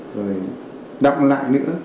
rồi động lại nữa